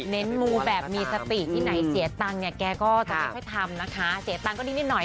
เน้นมูแบบมีสติที่ไหนเสียตังค์แกก็จะค่อยทำนะคะเสียตังค์ก็นิดหน่อย